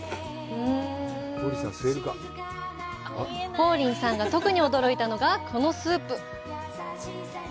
ポーリンさんが特に驚いたのが、このスープ。